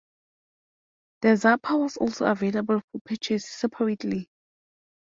The Zapper was also available for purchase separately.